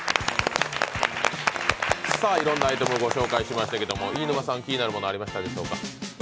いろんなアイテムをご紹介しましたけど、飯沼さん気になるアイテムありましたか？